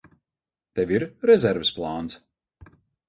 Tev ir rezerves plāns?